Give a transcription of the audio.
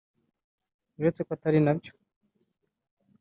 uretse ko atari nabyo